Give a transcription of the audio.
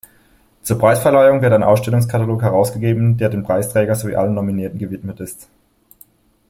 Zur Preisverleihung wird ein Ausstellungskatalog herausgegeben, der dem Preisträger sowie allen Nominierten gewidmet ist.